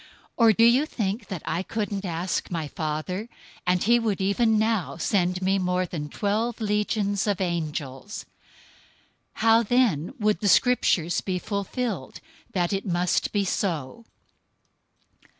026:053 Or do you think that I couldn't ask my Father, and he would even now send me more than twelve legions of angels? 026:054 How then would the Scriptures be fulfilled that it must be so?"